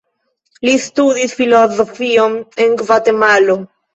Li studis filozofion en Gvatemalo.